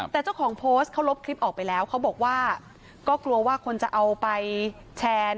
แต่เจ้าของโพสต์เขาลบคลิปออกไปแล้วเขาบอกว่าก็กลัวว่าคนจะเอาไปแชร์